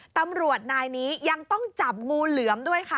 ตำรวจนายนี้ยังต้องจับงูเหลือมด้วยค่ะ